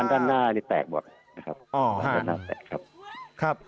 กระจกที่ร้านด้านหน้านี่แตกบอกนะครับ